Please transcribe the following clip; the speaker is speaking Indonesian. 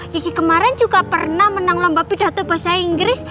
gigi kemarin juga pernah menang lomba pidato bahasa inggris